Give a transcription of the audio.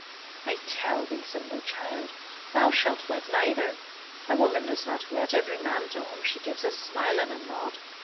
"I tell thee, simple child, thou shall wed neither. A woman does not wed every man to whom she gives a smile and a nod.